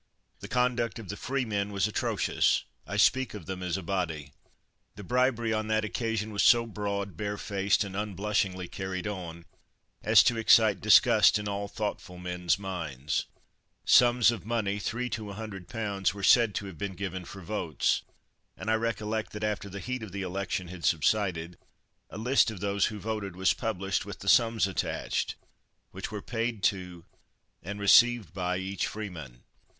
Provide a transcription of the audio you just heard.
The conduct of the freemen was atrocious. I speak of them as a body. The bribery on that occasion was so broad, barefaced, and unblushingly carried on, as to excite disgust in all thoughtful men's minds. Sums of money 3 to 100 pounds were said to have been given for votes, and I recollect that after the heat of the election had subsided, a list of those who voted was published, with the sums attached, which were paid to and received by each freeman.